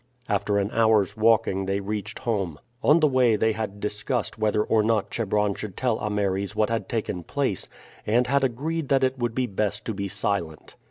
After an hour's walking they reached home. On the way they had discussed whether or not Chebron should tell Ameres what had taken place, and had agreed that it would be best to be silent.